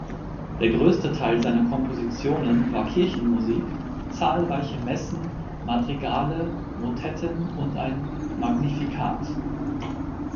Der größte Teil seiner Kompositionen war Kirchenmusik, zahlreiche Messen, Madrigale, Motetten und ein Magnificat.